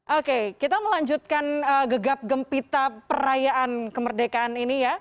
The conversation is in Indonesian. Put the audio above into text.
oke kita melanjutkan gegap gempita perayaan kemerdekaan ini ya